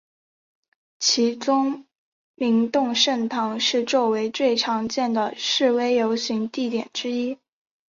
其中明洞圣堂是作为最常见的示威游行地点之一。